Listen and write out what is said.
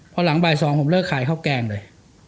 พอหลังบ่าย๒ผมเลิกขายข้าวแกงเลย